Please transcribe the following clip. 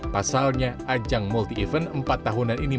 pasalnya ajang multi event empat tahunan ini